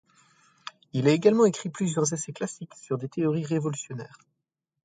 Il a également écrit plusieurs essais classiques sur des théories révolutionnaires.